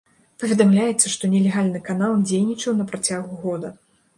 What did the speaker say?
Паведамляецца, што нелегальны канал дзейнічаў на працягу года.